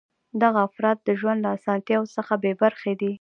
دغه افراد د ژوند له اسانتیاوو څخه بې برخې دي.